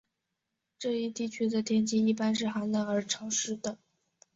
这一地区的天气一般是寒冷而潮湿的。